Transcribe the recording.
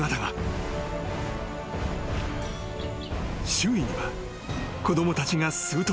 ［周囲には子供たちが数頭］